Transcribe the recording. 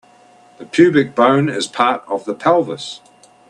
The pubic bone is part of the pelvis.